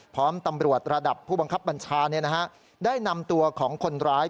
พร้อมตำรวจระดับผู้บังคับบัญชาได้นำตัวของคนร้าย